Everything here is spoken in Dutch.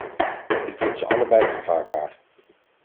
U vindt ze allebei aanvaardbaar.